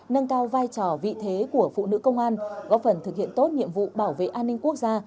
nâng cao vai trò vị thế của phụ nữ công an góp phần thực hiện tốt nhiệm vụ bảo vệ an ninh quốc gia